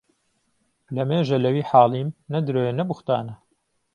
لە مێژە لە وی حاڵیم نە درۆیە نە بوختانە